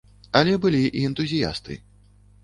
Але былі і энтузіясты.